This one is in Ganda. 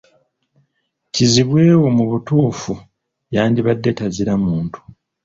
Kizibwe wo mu butuufu yandibadde tazira muntu.